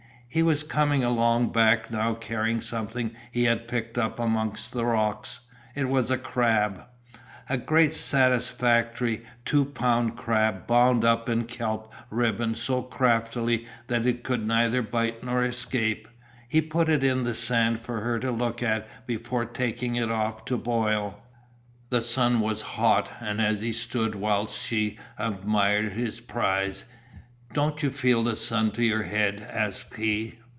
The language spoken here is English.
He was coming along back now carrying something he had picked up amongst the rocks. It was a crab. A great satisfactory two pound crab bound up in kelp ribbon so craftily that it could neither bite nor escape. He put it on the sand for her to look at before taking it off to boil. The sun was hot and as he stood whilst she admired his prize: "Don't you feel the sun to your head?" asked he.